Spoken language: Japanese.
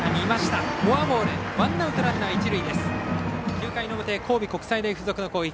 ９回の表、神戸国際大付属の攻撃。